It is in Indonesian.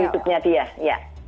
hidupnya dia iya